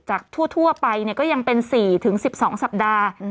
ทั่วไปก็ยังเป็น๔๑๒สัปดาห์